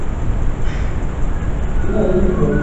Kikundi hiki mwanzoni kilianza kama sehemu ya wapiganaji